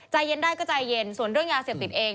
ใจเย็นได้ก็ใจเย็นส่วนเรื่องยาเสพติดเอง